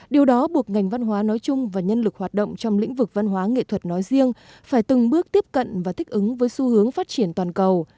điều đó buộc ngành văn hóa nói chung và nhân lực hoạt động trong lĩnh vực văn hóa nghệ thuật nói riêng phải từng bước tiếp cận và thích ứng với xu hướng phát triển toàn cầu